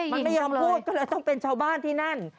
มันไม่ยอมพูดก็เลยต้องเป็นชาวบ้านที่นั่น